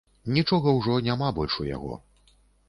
Нічога ўжо няма больш у яго.